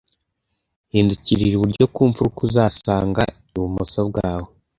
Hindukirira iburyo ku mfuruka, uzasanga ibumoso bwawe.